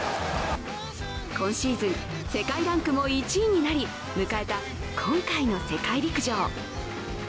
今シーズン世界ランクも１位になり迎えた今回の世界陸上。